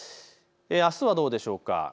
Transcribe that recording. あすはどうでしょう。